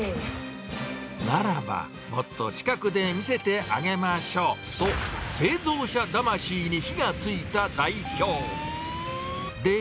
ならば、もっと近くで見せてあげましょうと、製造者魂に火がついた代表。